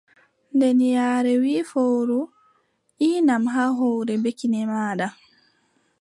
Nden yaare wii fowru: iʼanam haa hoore bee kine maaɗa.